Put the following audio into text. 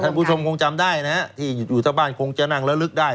ท่านผู้ชมคงจำได้ที่อยู่ท่าบ้านคงจะนั่งละลึกได้